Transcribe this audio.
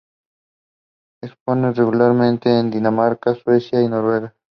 Expone regularmente en Dinamarca, Suecia y Noruega.